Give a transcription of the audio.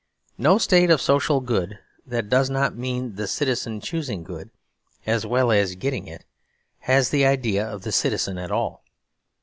No state of social good that does not mean the Citizen choosing good, as well as getting it, has the idea of the Citizen at all.